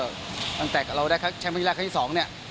ตั้งแต่เราได้แชมป์ธนิดหน้าครั้งที่สองเนี่ยนะครับ